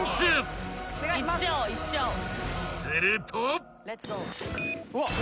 ［すると］